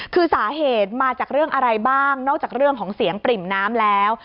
คือสาเหตุมาจากเรื่องอะไรบ้างนอกจากเรื่องของเสียงปริ่มน้ำแล้ว